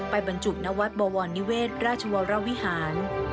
บรรจุณวัดบวรนิเวศราชวรวิหาร